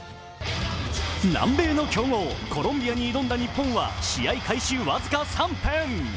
南米の強豪・コロンビアに挑んだ日本は試合開始僅か３分。